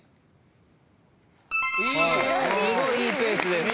すごいいいペースです。